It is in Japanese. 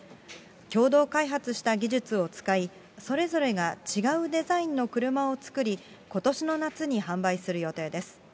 共同開発した技術を使い、それぞれが違うデザインの車を作り、ことしの夏に販売する予定です。